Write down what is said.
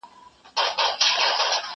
بیا حملې سوې د بازانو شاهینانو